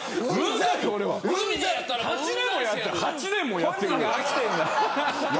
８年もやっている。